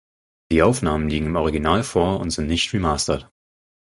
Die Aufnahmen liegen im Original vor und sind nicht remastered.